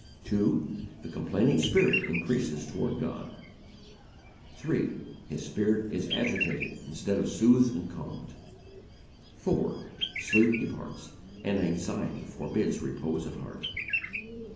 2. The complaining spirit increases toward God. 3. His spirit is agitated instead of soothed and calmed. 4. Sleep departs, and anxiety forbids repose of heart.